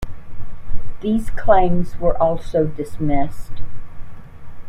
These claims were also dismissed.